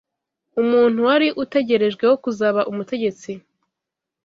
umuntu wari utegerejweho kuzaba umutegetsi